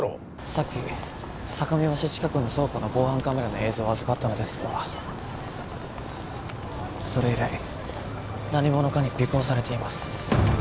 さっき坂見橋近くの倉庫の防犯カメラの映像を預かったのですがそれ以来何者かに尾行されています